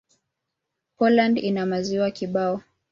Poland ina maziwa kibao.